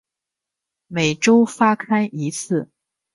每周发刊一次。